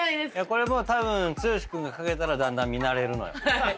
これもたぶん剛君が掛けたらだんだん見慣れるのよ。